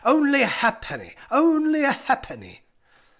_only a ha'penny! Only a ha'penny!